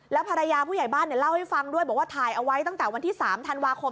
ภรรยาผู้ใหญ่บ้านเล่าให้ฟังด้วยบอกว่าถ่ายเอาไว้ตั้งแต่วันที่๓ธันวาคม